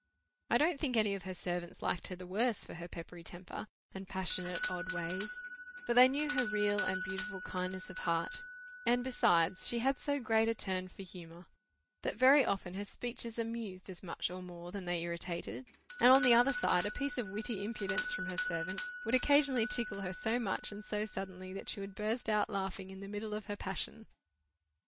I don't think any of her servants liked her the worse for her peppery temper, and passionate odd ways, for they knew her real and beautiful kindness of heart: and, besides, she had so great a turn for humour that very often her speeches amused as much or more than they irritated; and on the other side, a piece of witty impudence from her servant would occasionally tickle her so much and so suddenly, that she would burst out laughing in the middle of her passion.